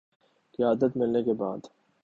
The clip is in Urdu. قیادت ملنے کے بعد